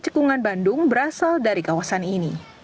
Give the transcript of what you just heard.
cekungan bandung berasal dari kawasan ini